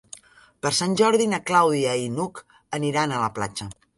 Per Sant Jordi na Clàudia i n'Hug aniran a la platja.